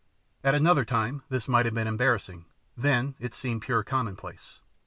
At another time this might have been embarrassing; then it seemed pure commonplace.